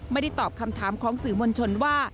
ไม่ได้ตอบคำถามของสื่อมวลชนว่า